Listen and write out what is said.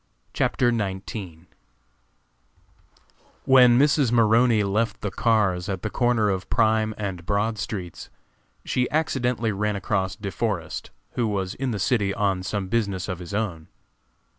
CHAPTER XIX. When Mrs. Maroney left the cars at the corner of Prime and Broad streets, she accidentally ran across De Forest, who was in the city on some business of his own.